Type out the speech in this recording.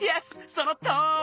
そのとおり！